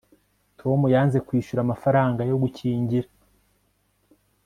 tom yanze kwishyura amafaranga yo gukingira